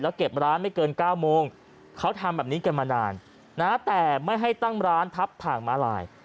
เก็บร้านไม่เกิน๙โมงเขาทำแบบนี้กันมานานนะแต่ไม่ให้ตั้งร้านทับถ่างมาลาย